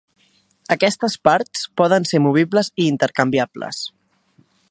Aquestes parts poden ser movibles i intercanviables.